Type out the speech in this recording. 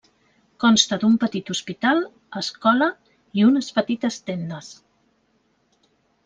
Consta d'un petit hospital, escola i unes petites tendes.